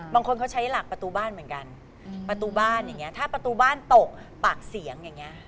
บางคนเขาใช้หลักประตูบ้านเหมือนกันประตูบ้านอย่างเงี้ถ้าประตูบ้านตกปากเสียงอย่างนี้